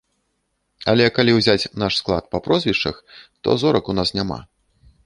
Але калі ўзяць наш склад па прозвішчах, то зорак у нас няма.